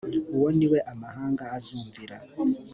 uwo ni we amahanga azumvira